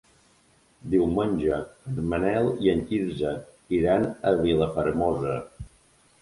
Diumenge en Manel i en Quirze iran a Vilafermosa.